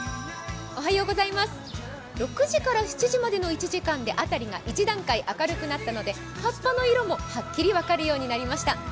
６時から７時までの１時間で辺りが１段階明るくなったので葉っぱの色もはっきり分かるようになりました。